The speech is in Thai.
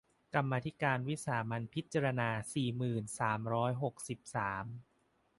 กรรมาธิการวิสามัญพิจารณา สี่หมื่นสามร้อยหกสิบสาม